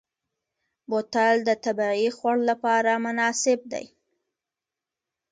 بوتل د طبعي خوړ لپاره مناسب دی.